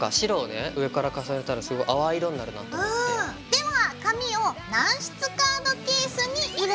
では紙を軟質カードケースに入れます。